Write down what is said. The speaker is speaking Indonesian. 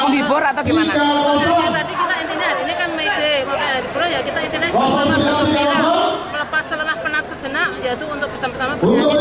di borat atau gimana ini kan kita ini melepas selenak penat sejenak untuk bersama sama